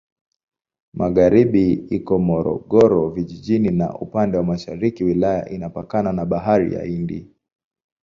Magharibi iko Morogoro Vijijini na upande wa mashariki wilaya inapakana na Bahari ya Hindi.